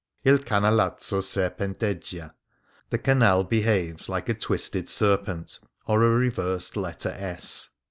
" II Canalazzo Serpenteggia,"' the canal behaves like a twisted serpent, or a reversed letter " S.'"